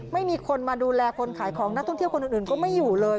ไม่มีคนมาดูแลคนขายของนักท่องเที่ยวคนอื่นก็ไม่อยู่เลย